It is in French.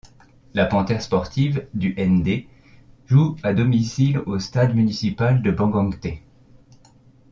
La Panthère sportive du Ndé joue à domicile au Stade municipal de Bangangté.